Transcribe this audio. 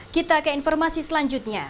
kita ke informasi selanjutnya